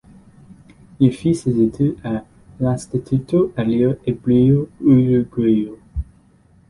Il fit ses études à l'Instituto Ariel Hebreo Uruguayo.